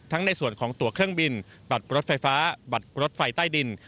ในส่วนของตัวเครื่องบินบัตรรถไฟฟ้าบัตรรถไฟใต้ดิน